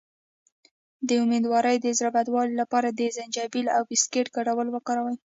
د امیدوارۍ د زړه بدوالي لپاره د زنجبیل او بسکټ ګډول وکاروئ